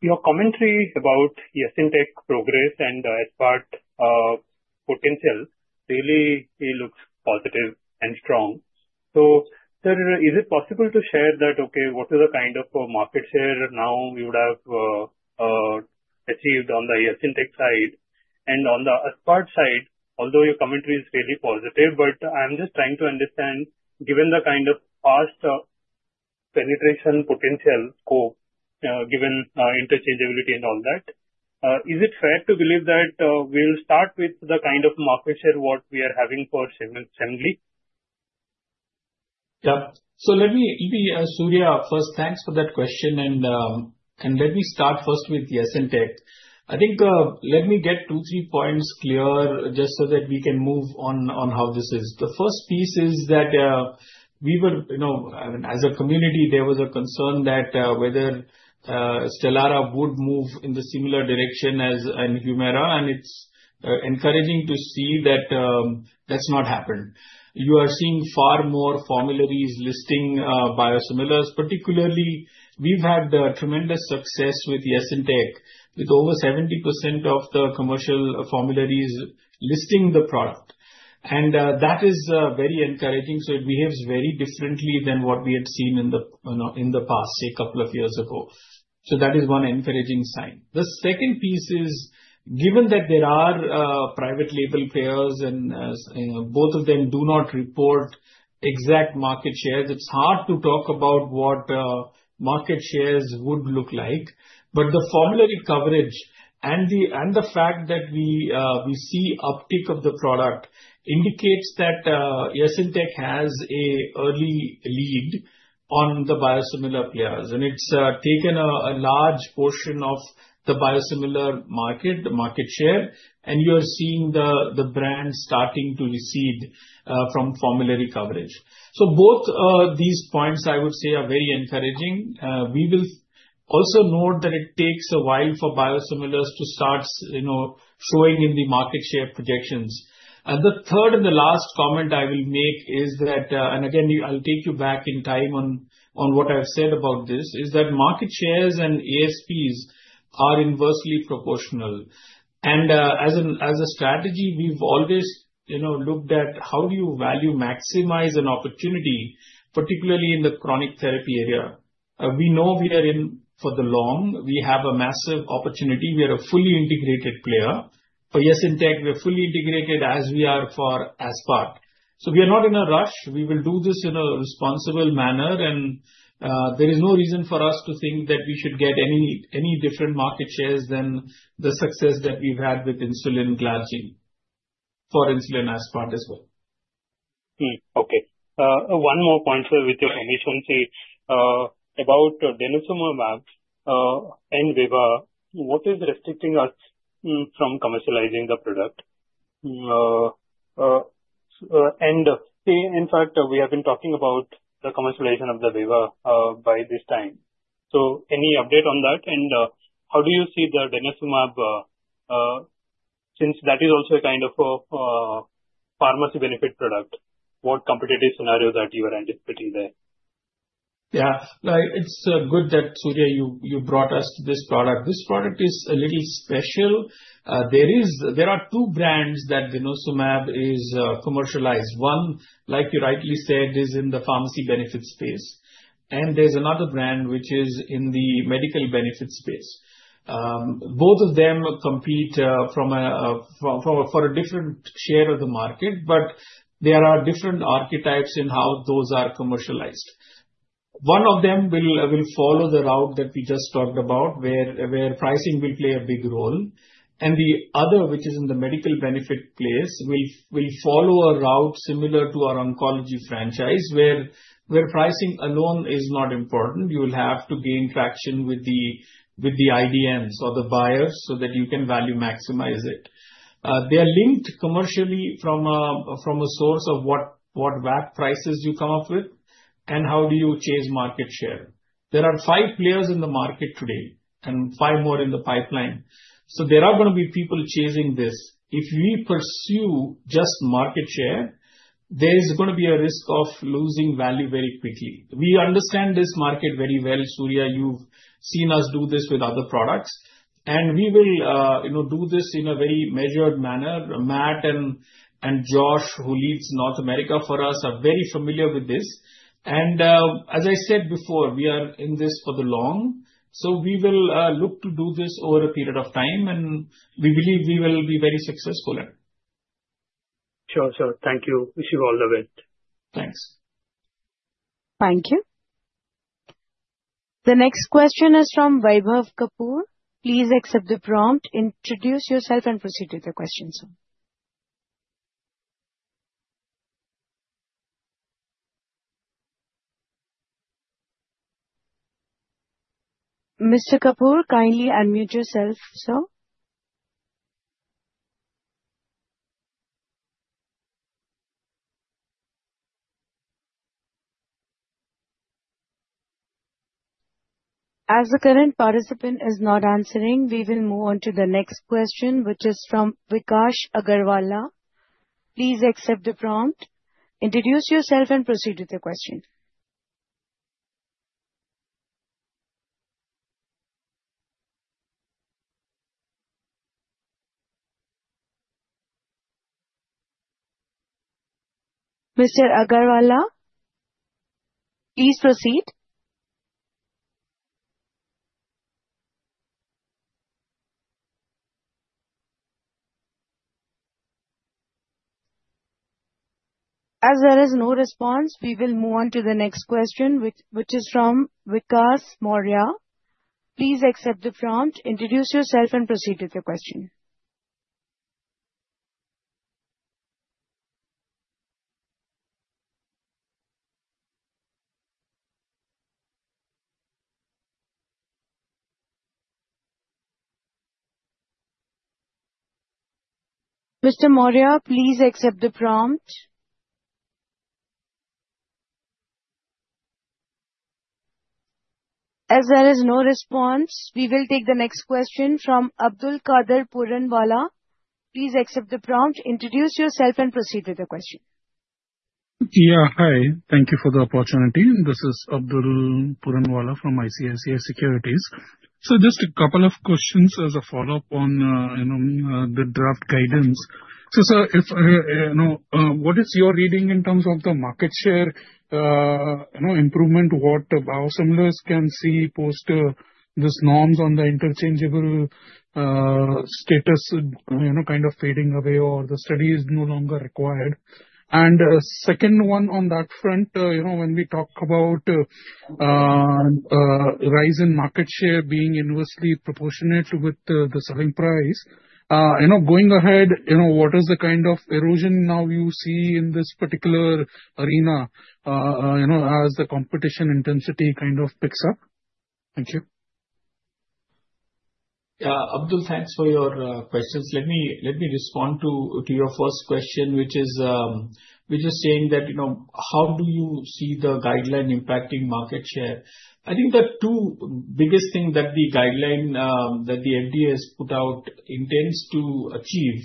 Your commentary about Yesintek progress and aspart potential really looks positive and strong. So sir, is it possible to share that, okay, what is the kind of market share now you would have achieved on the Yesintek side? And on the aspart side, although your commentary is fairly positive, but I'm just trying to understand, given the kind of past penetration potential scope, given interchangeability and all that, is it fair to believe that we'll start with the kind of market share what we are having for Semglee? Yeah. So let me, Surya, first, thanks for that question. And let me start first with Yesintek. I think let me get two, three points clear just so that we can move on how this is. The first piece is that we were, I mean, as a community, there was a concern that whether Stelara would move in the similar direction as Humira, and it's encouraging to see that that's not happened. You are seeing far more formularies listing biosimilars. Particularly, we've had tremendous success with Yesintek, with over 70% of the commercial formularies listing the product, and that is very encouraging, so it behaves very differently than what we had seen in the past, say, a couple of years ago, so that is one encouraging sign. The second piece is, given that there are private label payers and both of them do not report exact market shares, it's hard to talk about what market shares would look like, but the formulary coverage and the fact that we see uptick of the product indicates that Yesintek has an early lead on the biosimilar players. It's taken a large portion of the biosimilar market share. You're seeing the brand starting to recede from formulary coverage. Both these points, I would say, are very encouraging. We will also note that it takes a while for biosimilars to start showing in the market share projections. The third and the last comment I will make is that, and again, I'll take you back in time on what I've said about this, is that market shares and ASPs are inversely proportional. As a strategy, we've always looked at how do you value maximize an opportunity, particularly in the chronic therapy area. We know we are in for the long. We have a massive opportunity. We are a fully integrated player. For Yesintek, we are fully integrated as we are for aspart. We are not in a rush. We will do this in a responsible manner. And there is no reason for us to think that we should get any different market shares than the success that we've had with Insulin Glargine for Insulin aspart as well. Okay. One more point, sir, with your permission, about Denosumab and Bevacizumab, what is restricting us from commercializing the product? And in fact, we have been talking about the commercialization of the Bevacizumab by this time. So any update on that? And how do you see the Denosumab since that is also a kind of pharmacy benefit product? What competitive scenario that you are anticipating there? Yeah. It's good that, Surya, you brought us this product. This product is a little special. There are two brands that Denosumab is commercialized. One, like you rightly said, is in the pharmacy benefit space. And there's another brand, which is in the medical benefit space. Both of them compete for a different share of the market, but there are different archetypes in how those are commercialized. One of them will follow the route that we just talked about, where pricing will play a big role. And the other, which is in the medical benefit space, will follow a route similar to our oncology franchise, where pricing alone is not important. You will have to gain traction with the IDNs or the buyers so that you can value maximize it. They are linked commercially from a source of what WAC prices you come up with and how do you chase market share. There are five players in the market today and five more in the pipeline. So there are going to be people chasing this. If we pursue just market share, there is going to be a risk of losing value very quickly. We understand this market very well. Surya, you've seen us do this with other products. And we will do this in a very measured manner. Matt and Josh, who leads North America for us, are very familiar with this. And as I said before, we are in this for the long. So we will look to do this over a period of time, and we believe we will be very successful at. Sure, sir. Thank you. Wish you all the best. Thanks. Thank you. The next question is from Vaibhav Kapoor. Please accept the prompt. Introduce yourself and proceed with the question, sir. Mr. Kapoor, kindly unmute yourself, sir. As the current participant is not answering, we will move on to the next question, which is from Vikas Agarwal.Please accept the prompt. Introduce yourself and proceed with the question. Mr. Agarwal, please proceed. As there is no response, we will move on to the next question, which is from Vikas Maurya. Please accept the prompt. Introduce yourself and proceed with the question. Mr. Maurya, please accept the prompt. As there is no response, we will take the next question from Abdulkader Puranwala. Please accept the prompt. Introduce yourself and proceed with the question. Yeah, hi. Thank you for the opportunity. This is Abdul Puranwala from ICICI Securities. So just a couple of questions as a follow-up on the draft guidance. So sir, what is your reading in terms of the market share improvement? What biosimilars can see post these norms on the interchangeable status kind of fading away or the study is no longer required? And second one on that front, when we talk about rise in market share being inversely proportionate with the selling price, going ahead, what is the kind of erosion now you see in this particular arena as the competition intensity kind of picks up? Thank you. Yeah, Abdul, thanks for your questions. Let me respond to your first question, which is saying that how do you see the guideline impacting market share? I think the two biggest things that the guideline that the FDA has put out intends to achieve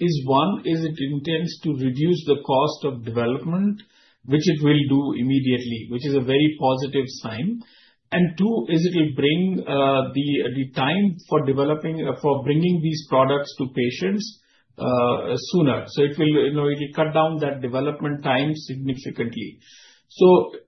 is, one, is it intends to reduce the cost of development, which it will do immediately, which is a very positive sign. And two, is it will bring the time for bringing these products to patients sooner. So it will cut down that development time significantly.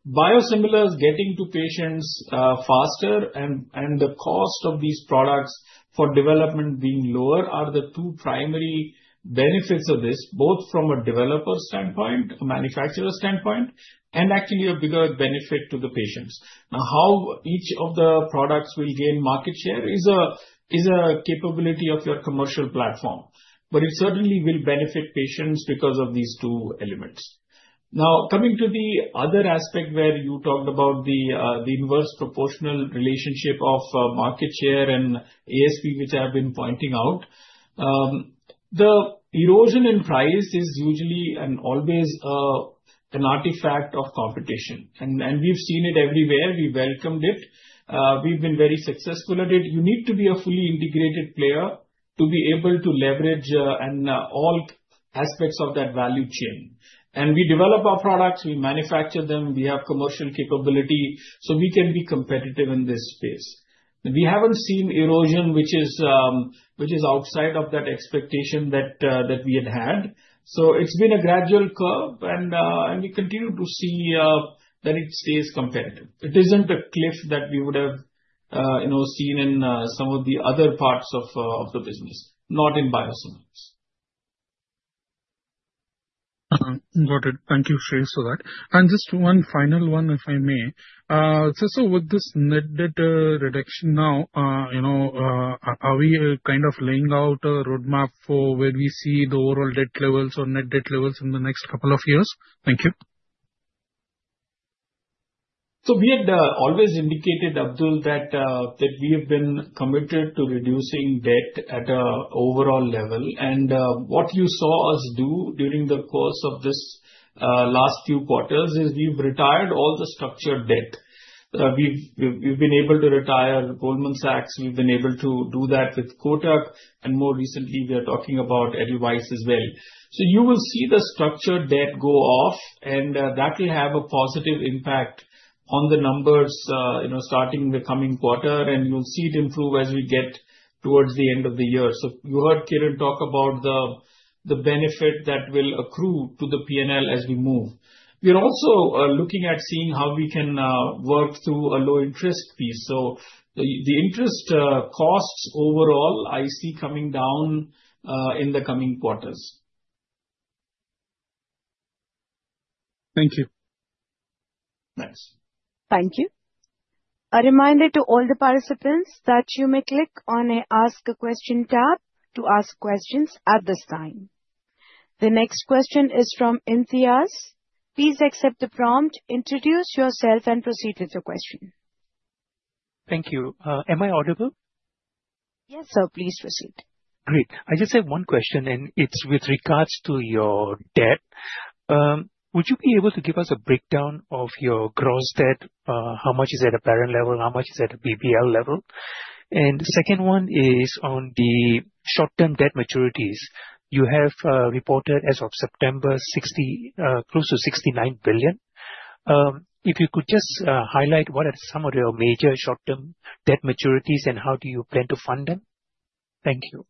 Biosimilars getting to patients faster and the cost of these products for development being lower are the two primary benefits of this, both from a developer standpoint, a manufacturer standpoint, and actually a bigger benefit to the patients. Now, how each of the products will gain market share is a capability of your commercial platform. But it certainly will benefit patients because of these two elements. Now, coming to the other aspect where you talked about the inverse proportional relationship of market share and ASP, which I have been pointing out, the erosion in price is usually and always an artifact of competition. And we've seen it everywhere. We welcomed it. We've been very successful at it. You need to be a fully integrated player to be able to leverage all aspects of that value chain. And we develop our products. We manufacture them. We have commercial capability, so we can be competitive in this space. We haven't seen erosion, which is outside of that expectation that we had. So it's been a gradual curve, and we continue to see that it stays competitive. It isn't a cliff that we would have seen in some of the other parts of the business, not in biosimilars. Got it. Thank you, Shreehas, for that. And just one final one, if I may. So with this net debt reduction now, are we kind of laying out a roadmap for where we see the overall debt levels or net debt levels in the next couple of years? Thank you. So we had always indicated, Abdul, that we have been committed to reducing debt at an overall level. And what you saw us do during the course of this last few quarters is we've retired all the structured debt. We've been able to retire Goldman Sachs. We've been able to do that with Kotak. And more recently, we are talking about Edelweiss as well. So you will see the structured debt go off, and that will have a positive impact on the numbers starting the coming quarter. And you'll see it improve as we get towards the end of the year. So you heard Kiran talk about the benefit that will accrue to the P&L as we move. We're also looking at seeing how we can work through a low-interest piece. So the interest costs overall, I see coming down in the coming quarters. Thank you. Thanks. Thank you. A reminder to all the participants that you may click on an Ask a Question tab to ask questions at this time. The next question is from Imtiaz. Please accept the prompt. Introduce yourself and proceed with the question. Thank you. Am I audible? Yes, sir. Please proceed. Great. I just have one question, and it's with regards to your debt. Would you be able to give us a breakdown of your gross debt? How much is at a parent level? How much is at a BBL level? And the second one is on the short-term debt maturities. You have reported as of September, close to 69 billion. If you could just highlight what are some of your major short-term debt maturities and how do you plan to fund them? Thank you.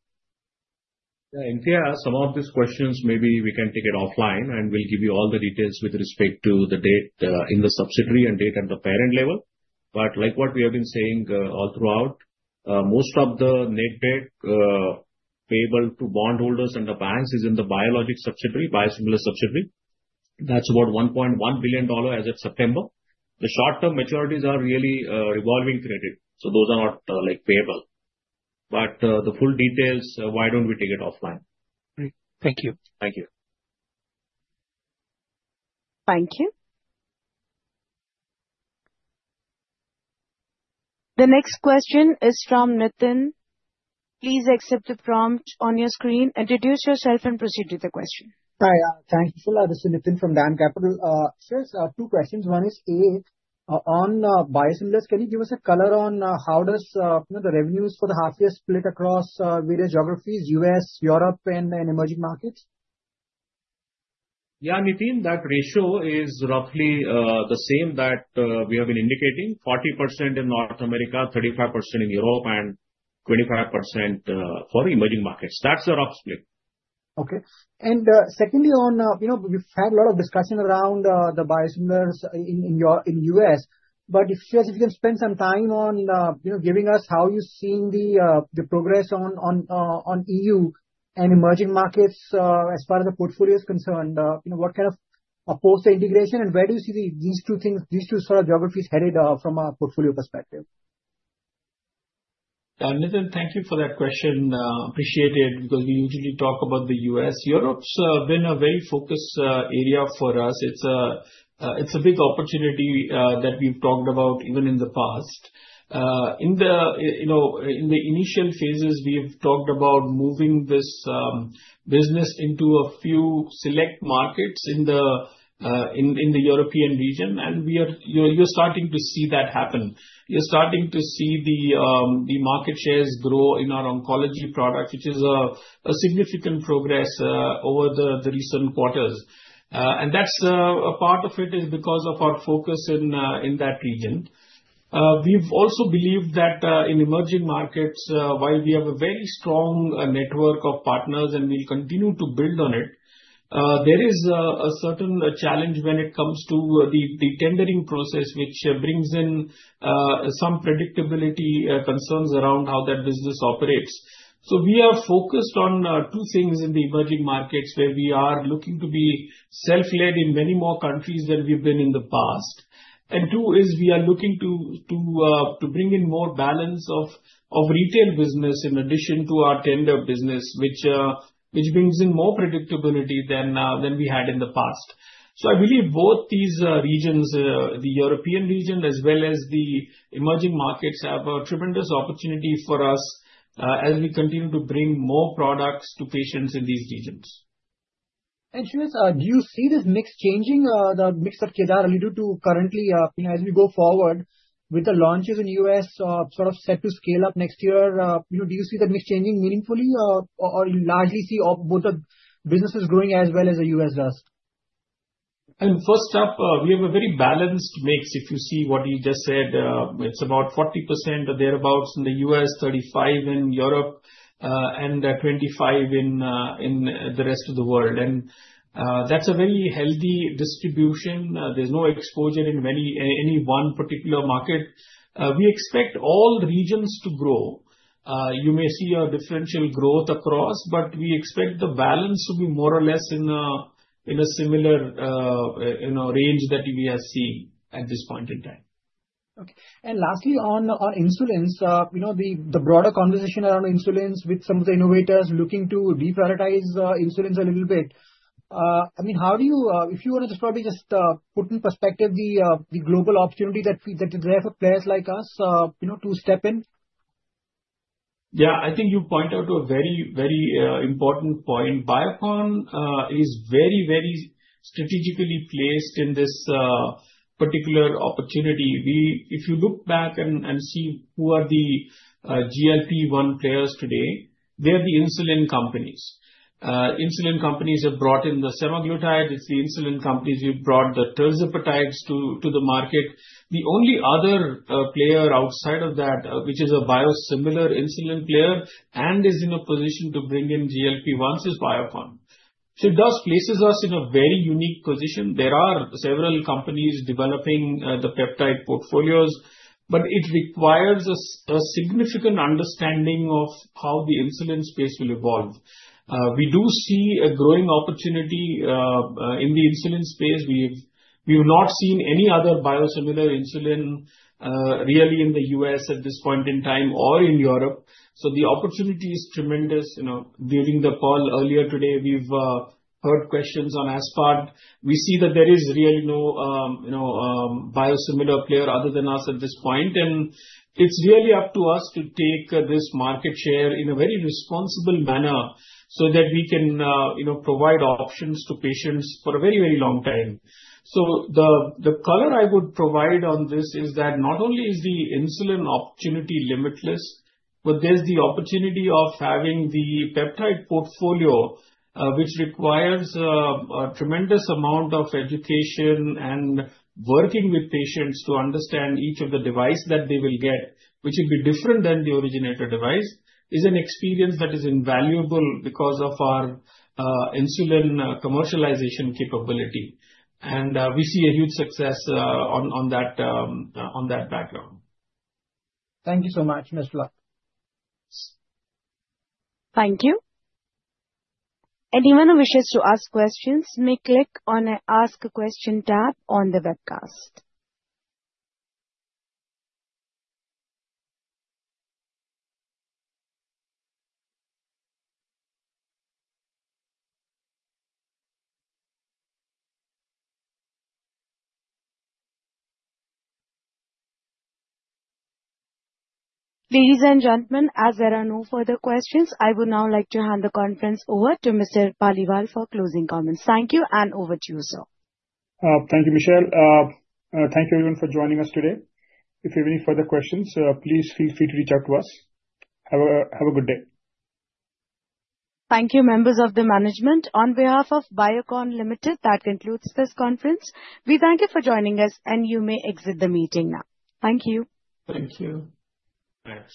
Indeed, some of these questions, maybe we can take it offline, and we'll give you all the details with respect to the subsidiary and debt at the parent level. But like what we have been saying all throughout, most of the net debt payable to bondholders and the banks is in the biologic subsidiary, biosimilar subsidiary. That's about $1.1 billion as of September. The short-term maturities are really revolving credit. So those are not payable. But the full details, why don't we take it offline? Great. Thank you. Thank you. Thank you. The next question is from Nitin. Please accept the prompt on your screen. Introduce yourself and proceed with the question. Hi. Thank you for that. This is Nitin from DAM Capital. Sir, two questions. One is, on biosimilars, can you give us a color on how does the revenues for the half-year split across various geographies, U.S., Europe, and emerging markets? Yeah, Nitin, that ratio is roughly the same that we have been indicating: 40% in North America, 35% in Europe, and 25% for emerging markets. That's the rough split. Okay. And secondly, we've had a lot of discussion around the biosimilars in the U.S. But if you can spend some time on giving us how you've seen the progress on E.U. and emerging markets as far as the portfolio is concerned, what kind of a post-integration, and where do you see these two sort of geographies headed from a portfolio perspective? Yeah, Nitin, thank you for that question. Appreciate it because we usually talk about the U.S. Europe's been a very focused area for us. It's a big opportunity that we've talked about even in the past. In the initial phases, we've talked about moving this business into a few select markets in the European region. And you're starting to see that happen. You're starting to see the market shares grow in our oncology products, which is a significant progress over the recent quarters. And that's a part of it is because of our focus in that region. We've also believed that in emerging markets, while we have a very strong network of partners and we'll continue to build on it, there is a certain challenge when it comes to the tendering process, which brings in some predictability concerns around how that business operates. So we are focused on two things in the emerging markets where we are looking to be self-led in many more countries than we've been in the past. Two is we are looking to bring in more balance of retail business in addition to our tender business, which brings in more predictability than we had in the past. So I believe both these regions, the European region as well as the emerging markets, have a tremendous opportunity for us as we continue to bring more products to patients in these regions. And Shreehas, do you see this mix changing, the mix that Kedar alluded to currently as we go forward with the launches in the U.S. sort of set to scale up next year? Do you see the mix changing meaningfully, or you largely see both the businesses growing as well as the U.S. does? And first up, we have a very balanced mix. If you see what you just said, it's about 40% or thereabouts in the U.S., 35% in Europe, and 25% in the rest of the world, and that's a very healthy distribution. There's no exposure in any one particular market. We expect all regions to grow. You may see a differential growth across, but we expect the balance to be more or less in a similar range that we have seen at this point in time. Okay, and lastly, on insulins, the broader conversation around insulins with some of the innovators looking to deprioritize insulins a little bit. I mean, how do you, if you want to just probably put in perspective the global opportunity that is there for players like us to step in? Yeah, I think you point out to a very, very important point. Biocon is very, very strategically placed in this particular opportunity. If you look back and see who are the GLP-1 players today, they are the insulin companies. Insulin companies have brought in the semaglutide. It's the insulin companies who brought the tirzepatides to the market. The only other player outside of that, which is a biosimilar insulin player and is in a position to bring in GLP-1, is Biocon. So it does place us in a very unique position. There are several companies developing the peptide portfolios, but it requires a significant understanding of how the insulin space will evolve. We do see a growing opportunity in the insulin space. We have not seen any other biosimilar insulin really in the U.S. at this point in time or in Europe. So the opportunity is tremendous. During the call earlier today, we've heard questions on aspart. We see that there is really no biosimilar player other than us at this point. And it's really up to us to take this market share in a very responsible manner so that we can provide options to patients for a very, very long time. So the color I would provide on this is that not only is the insulin opportunity limitless, but there's the opportunity of having the peptide portfolio, which requires a tremendous amount of education and working with patients to understand each of the devices that they will get, which will be different than the originator device, is an experience that is invaluable because of our insulin commercialization capability. And we see a huge success on that background. Thank you so much, Best of luck. Thank you. Anyone who wishes to ask questions may click on an Ask a Question tab on the webcast. Ladies and gentlemen, as there are no further questions, I would now like to hand the conference over to Mr. Paliwal for closing comments. Thank you, and over to you, sir. Thank you, Michelle. Thank you everyone for joining us today. If you have any further questions, please feel free to reach out to us. Have a good day. Thank you, members of the management. On behalf of Biocon Limited, that concludes this conference. We thank you for joining us, and you may exit the meeting now. Thank you. Thank you. Thanks.